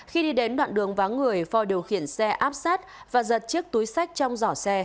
khi đi đến đoạn đường vắng người phò điều khiển xe áp sát và giật chiếc túi sách trong giỏ xe